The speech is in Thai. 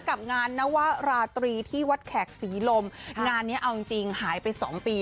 กับงานนวราตรีที่วัดแขกศรีลมงานเนี้ยเอาจริงจริงหายไปสองปี